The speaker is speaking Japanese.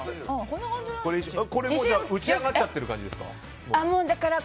これは打ち上がっちゃってる感じですか？